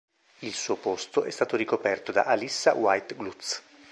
Il suo posto è stato ricoperto da Alissa White-Gluz.